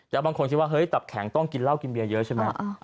แล้วบางคนคิดว่าเฮ้ยตับแข็งต้องกินเหล้ากินเบียเยอะใช่ไหม